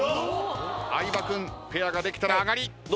相葉君ペアができたら上がり。